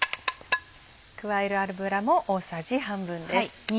加える油も大さじ半分です。